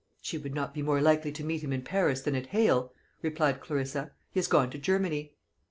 "She would not be more likely to meet him in Paris than at Hale," replied Clarissa. "He has gone to Germany."